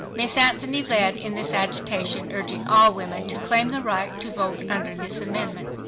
Miss Anthony led in this agitation, urging all women to claim the right to vote under this amendment.